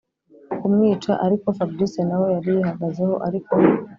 kumwica ariko fabric nawe yari yihagazeho ariko